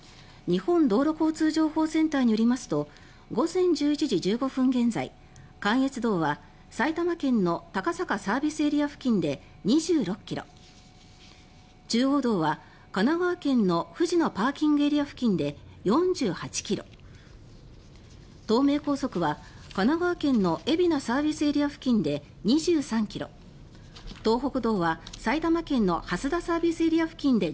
日本道路交通情報センターによりますと午前１１時１５分現在関越道は埼玉県の高坂ＳＡ付近で２６ｋｍ中央道は神奈川県の藤野ＰＡ付近で４８ｋｍ東名高速は、神奈川県の海老名ＳＡ付近で２３ｋｍ